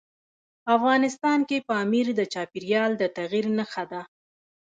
افغانستان کې پامیر د چاپېریال د تغیر نښه ده.